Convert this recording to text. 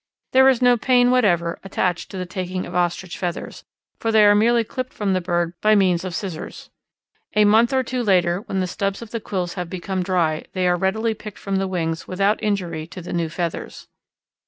There is no pain whatever attached to the taking of Ostrich feathers, for they are merely clipped from the bird by means of scissors. A month or two later when the stubs of the quills have become dry they are readily picked from the wings without injury to the new feathers.